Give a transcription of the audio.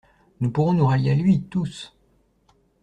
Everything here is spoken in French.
Nous pourrons nous rallier à lui, tous!